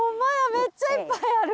めっちゃいっぱいある！